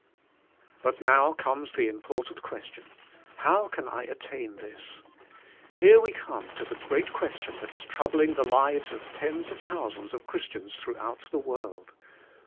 But now comes the important • question, "How can I attain this?" Here we come to the great question that is troubling the lives of tens of thou sands of Christians throughout the world.